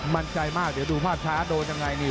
มั่นใจมากเดี๋ยวดูภาพช้าโดนยังไงนี่